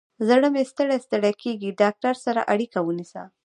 زړه مې ستړی ستړي کیږي، ډاکتر سره اړیکه ونیسه